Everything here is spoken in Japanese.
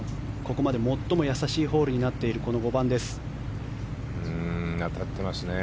ここまで最も易しいホールになっている当たってますね。